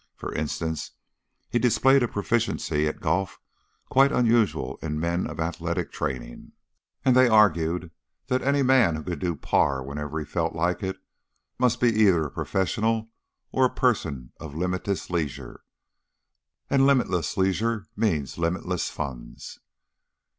For instance, he displayed a proficiency at golf quite unusual in men of athletic training, and they argued that any man who could do par whenever he felt like it must be either a professional or a person of limitless leisure. And limitless leisure means limitless funds.